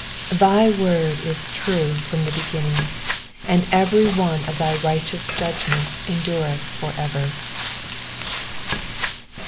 160 Thy word is true from the beginning : and every one of thy righteous judgments endureih for ever.